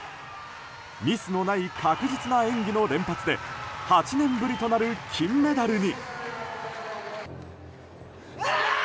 ミスのない確実な演技の連発で８年ぶりとなる金メダルに。